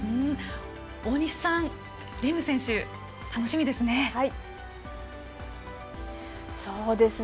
大西さんレーム選手、楽しみですね。